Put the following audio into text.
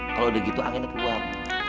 kalau udah gitu anginnya keluar